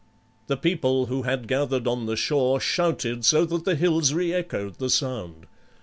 The people who had gathered on the shore shouted so that the hills reechoed the sound.